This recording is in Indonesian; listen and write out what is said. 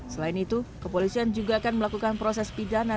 selain itu kepolisian juga akan melakukan proses pidana